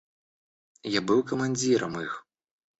Я был командиром их.